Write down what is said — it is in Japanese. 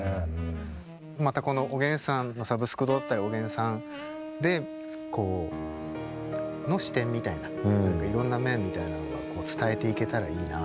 またこの「おげんさんのサブスク堂」だったり「おげんさん」でこうの視点みたいないろんな面みたいなのがこう伝えていけたらいいななんて。